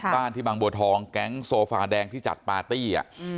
บ้านที่บางบัวทองแก๊งโซฟาแดงที่จัดปาร์ตี้